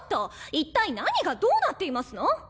一体何がどうなっていますの？